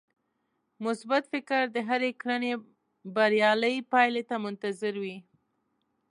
مثبت فکر د هرې کړنې بريالۍ پايلې ته منتظر وي.